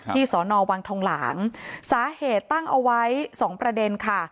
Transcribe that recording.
สอนอวังทองหลางสาเหตุตั้งเอาไว้สองประเด็นค่ะ